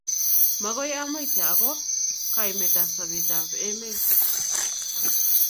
magoi amuita ako kaimet ab sobet ab emet